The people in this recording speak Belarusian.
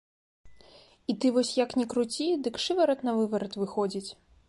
І ты вось як ні круці, дык шыварат-навыварат выходзіць.